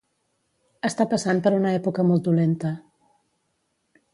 Està passant per una època molt dolenta.